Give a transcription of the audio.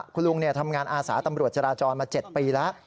คุณลุงทำงานอาสาตำรวจจราจรมา๗ปีแล้ว